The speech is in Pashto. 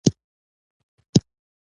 د مصنوعي ځیرکتیا چلندونه تقلیدوي.